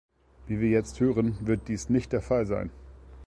Wie wir jetzt hören, wird dies nicht der Fall sein.